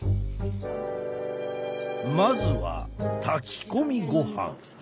まずは炊き込みごはん。